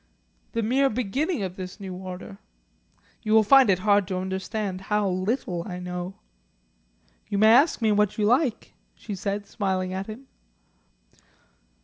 The mere beginning of this new order. You will find it hard to understand how little I know." "You may ask me what you like," she said, smiling at him.